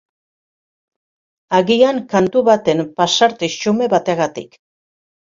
Agian kantu baten pasarte xume bategatik.